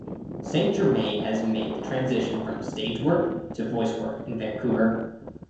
Saint Germain has made the transition from stage work to voice work in Vancouver.